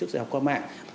dạy học qua mạng